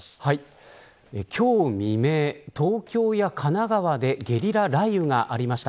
今日未明、東京や神奈川でゲリラ雷雨がありました。